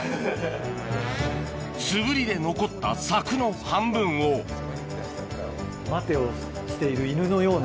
すぶりで残ったサクの半分を待てをしている犬のような。